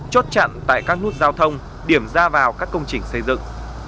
chốt chặn tại các nút giao thông điểm ra vào các công trình xây dựng